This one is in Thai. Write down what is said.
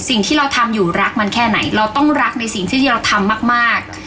สิ่งที่เราทำอยู่รักมันแค่ไหนเราต้องรักในสิ่งที่เราทำมาก